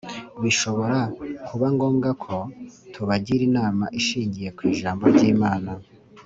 bishobora kuba ngombwa ko tubagira inama ishingiye ku Ijambo ry Imana